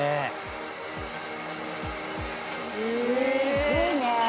「すごいね脚。